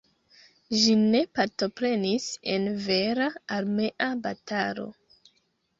Ĝi ne partoprenis en vera armea batalo.